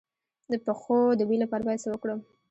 د پښو د بوی لپاره باید څه وکړم؟